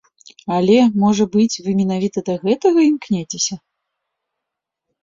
Але, можа быць, вы менавіта да гэтага імкнецеся?